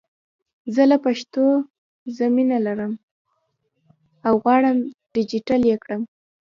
زه له پښتو زه مینه لرم او غواړم ډېجیټل یې کړم!